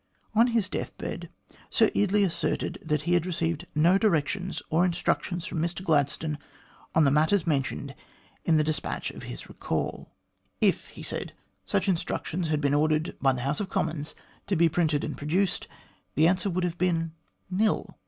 On his deathbed, Sir Eardley asserted that he had received no directions or instructions from Mr Gladstone on the matters mentioned in the despatch of his recall. A GRIEVOUS ERROR OF MR GLADSTONE'S 161 "If," he said, "such instructions had been ordered by the House of Commons to be printed and produced, the answer would have been nil.